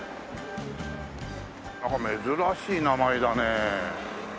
なんか珍しい名前だね。